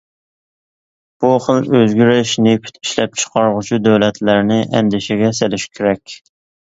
بۇ خىل ئۆزگىرىش نېفىت ئىشلەپچىقارغۇچى دۆلەتلەرنى ئەندىشىگە سېلىشى كېرەك.